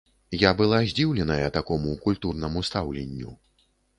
Я была здзіўленая такому культурнаму стаўленню.